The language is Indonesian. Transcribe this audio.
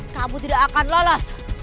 kamu tidak akan lolos